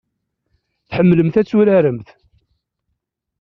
Tḥemmlemt ad turaremt.